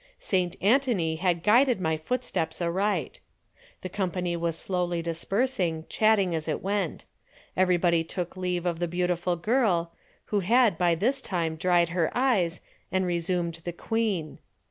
Saint Antony had guided my footsteps aright. The company was slowly dispersing, chatting as it went. Everybody took leave of the beautiful girl, who had by this time dried her eyes and resumed the queen.